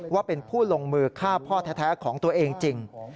ว่าเป็นผู้ลงมือฆ่าพ่อแท้ของตัวเองจริง